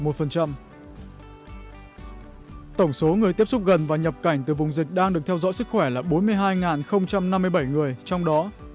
tổng số người tiếp xúc gần và nhập cảnh từ vùng dịch đang được theo dõi sức khỏe là bốn mươi hai năm mươi bảy người trong đó